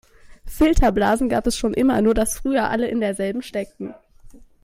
Filterblasen gab es schon immer, nur das früher alle in der selben steckten.